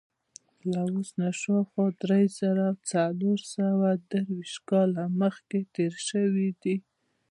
له اوس نه شاوخوا درې زره څلور سوه درویشت کاله مخکې تېر شوی دی.